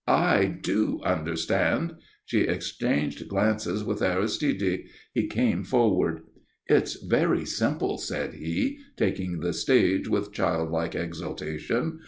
"I do understand." She exchanged glances with Aristide. He came forward. "It's very simple," said he, taking the stage with childlike exultation.